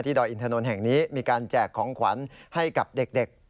ดอยอินทนนท์แห่งนี้มีการแจกของขวัญให้กับเด็ก